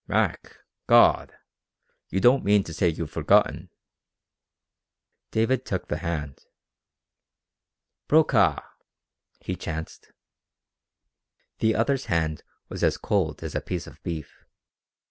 "Mac! God! You don't mean to say you've forgotten...." David took the hand. "Brokaw!" he chanced. The other's hand was as cold as a piece of beef.